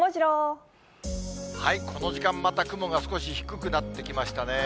この時間、また雲が少し低くなってきましたね。